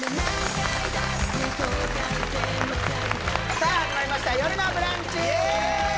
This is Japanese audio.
さあ始まりました「よるのブランチ」イエーイ！